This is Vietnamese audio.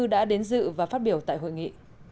đã đến dự và phát biểu tại hội nghị